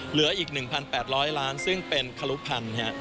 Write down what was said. เหลืออีก๑๘๐๐ล้านซึ่งเป็นครุพันธ์